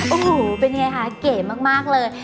โอ้โหเป็นยังไงคะเก๋มากเลย